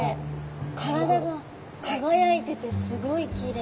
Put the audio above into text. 体が輝いててすごいきれい。